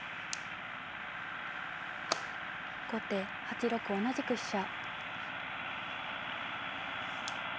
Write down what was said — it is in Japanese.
後手８六同じく飛車。